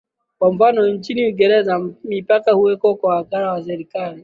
Kwa mfano nchini Uingereza mipaka huwekwa na wakala wa serikali